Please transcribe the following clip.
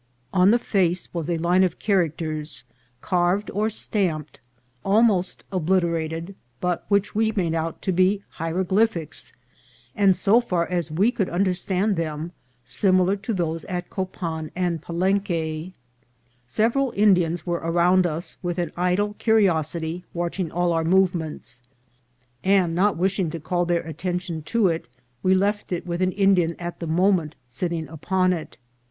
On the face was a line of characters HIEROGLYPHICS ON WOOD. 433 carved or stamped, almost obliterated, but which we made out to be hieroglyphics, and, so far as we could understand them, similar to those at Copan and Pa lenque. Several Indians were around us, with an idle curiosity watching all our movements ; and, not wish ing to call their attention to it, we left it with an Indian at the moment sitting upon it.